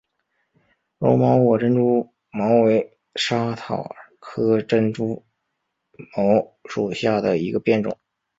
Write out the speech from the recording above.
柔毛果珍珠茅为莎草科珍珠茅属下的一个变种。